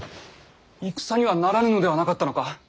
戦にはならぬのではなかったのか。